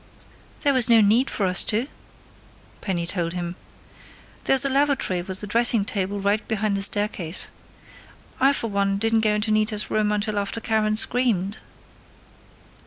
"There was no need for us to," Penny told him. "There's a lavatory with a dressing table right behind the staircase. I, for one, didn't go into Nita's room until after Karen screamed."